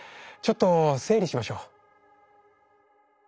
ちょっと整理しましょう。